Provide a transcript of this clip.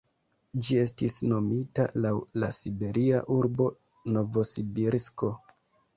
Ĝi estis nomita laŭ la siberia urbo Novosibirsko.